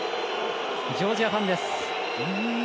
ジョージアファンです。